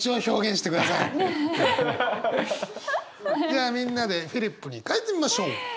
じゃあみんなでフリップに書いてみましょう。